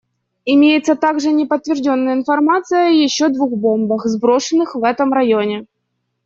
Имеется также неподтвержденная информация о еще двух бомбах, сброшенных в этом районе.